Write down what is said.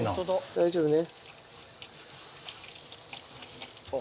大丈夫ね。